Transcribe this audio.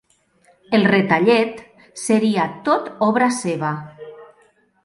El retalle't, seria tot obra seva.